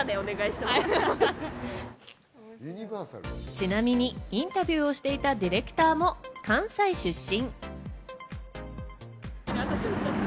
ちなみにインタビューをしていたディレクターも関西出身。